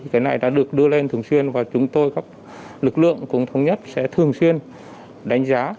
cái này đã được đưa lên thường xuyên và chúng tôi các lực lượng cũng thống nhất sẽ thường xuyên đánh giá